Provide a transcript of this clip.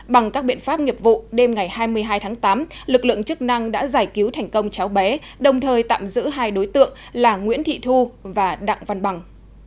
bằng các biện pháp nghiệp vụ đêm ngày hai mươi hai tháng tám lực lượng chức năng đã giải cứu thành công cháu bé đồng thời tạm giữ hai đối tượng là nguyễn thị thu và đặng văn bằng